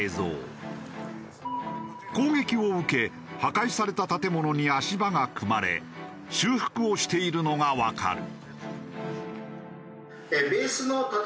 攻撃を受け破壊された建物に足場が組まれ修復をしているのがわかる。